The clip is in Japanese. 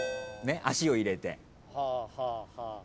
足を入れて。